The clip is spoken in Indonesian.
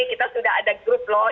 kita sudah ada grup loh